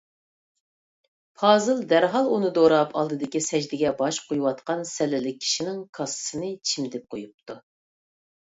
پازىل دەرھال ئۇنى دوراپ، ئالدىدىكى سەجدىگە باش قويۇۋاتقان سەللىلىك كىشىنىڭ كاسىسىنى چىمدىپ قويۇپتۇ.